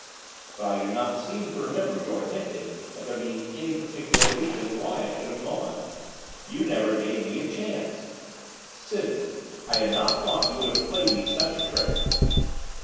'But I do not seem to remember your hinting at there being any particular reason why I should have gone.' 'You never gave me a chance.' 'Sydney! I had not thought you would have played me such a trick!